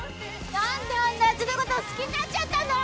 「何であんなやつのこと好きになっちゃったんだろ！」